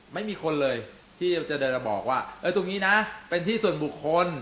ไม่มีคนเลยที่จะเดินมาบอกว่าตรงนี้นะเป็นที่ส่วนบุคคล